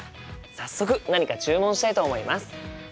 早速何か注文したいと思います！